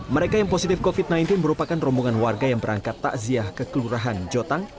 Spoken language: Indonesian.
mereka yang positif covid sembilan belas merupakan rombongan warga yang berangkat takziah ke kelurahan jotang